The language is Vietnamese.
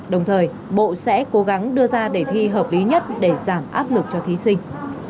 đồng thời bộ sẽ cố gắng đưa ra để thi hợp lý nhất để giảm áp lực cho thí sinh